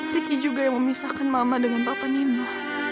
riki juga yang memisahkan mama dengan papa nino